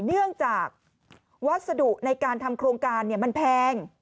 เนื่องจากวัสดุในการทำโครงการมันแพง